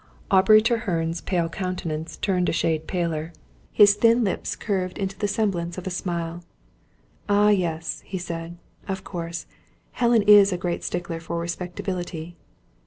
Aubrey Treherne's pale countenance turned a shade paler. His thin lips curved into the semblance of a smile. "Ah, yes," he said, "of course. Helen is a great stickler for respectability.